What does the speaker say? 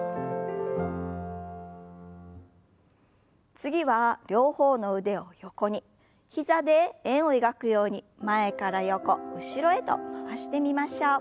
次は両方の腕を横に膝で円を描くように前から横後ろへと回してみましょう。